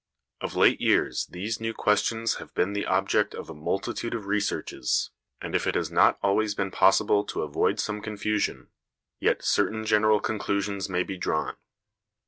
Of late years these new questions have been the object of a multitude of researches, and if it has not always been possible to avoid some confusion, yet certain general conclusions may be drawn.